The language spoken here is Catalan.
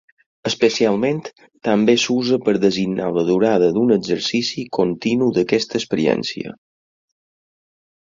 Especialment, també s'usa per designar la durada d'un exercici continu d'aquesta experiència.